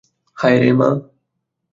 হায়রে, মা!